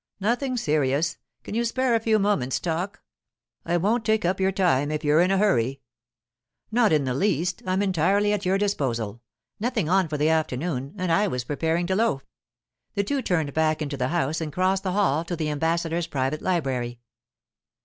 'Nothing serious. Can you spare me a few moments' talk? I won't take up your time if you are in a hurry.' 'Not in the least. I'm entirely at your disposal. Nothing on for the afternoon, and I was preparing to loaf.' The two turned back into the house and crossed the hall to the ambassador's private library.